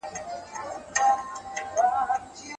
د لويي جرګې د بشپړ بریالیتوب له پاره څه اړین دي؟